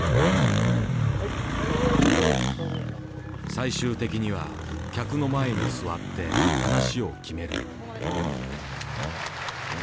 最終的には客の前に座って噺を決める。